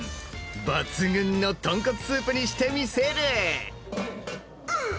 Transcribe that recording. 抜群の豚骨スープにしてみせる！